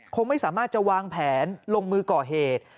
คงไม่สามารถจะวางแผนลงมือก่อเหตุ